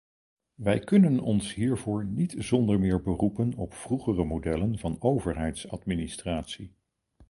Wij kunnen ons hiervoor niet zonder meer beroepen op vroegere modellen van overheidsadministratie.